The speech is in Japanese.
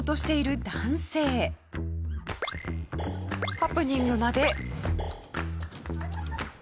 ハプニングまで。